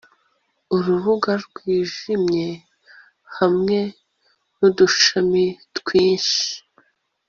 urubuga rwijimye hamwe nudushami twinshi